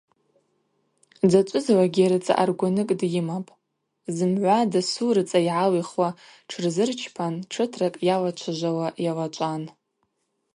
Дзачӏвызлакӏгьи рыцӏа аргваныкӏ дйымапӏ, зымгӏва дасу рыцӏа йгӏалихуа тшырзырчпан тшытракӏ йалачважвауа йалачӏван.